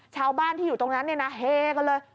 ชาวบ้านที่อยู่ตรงนั้นเนี่ยนะเฮกันเลย